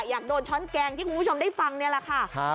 อยากโดนช้อนแกงที่คุณผู้ชมได้ฟังนี่แหละค่ะ